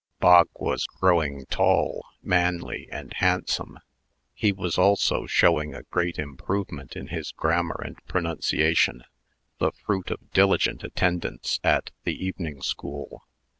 Bog was growing tall, manly, and handsome. He was also showing a great improvement in his grammar and pronunciation the fruit of diligent attendance at the evening school.